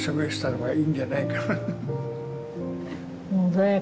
はい。